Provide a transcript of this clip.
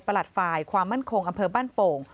ฝ่ายความมั่นคงอำเภอบ้านโป่ง